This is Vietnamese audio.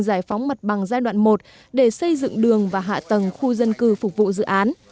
giải phóng mặt bằng giai đoạn một để xây dựng đường và hạ tầng khu dân cư phục vụ dự án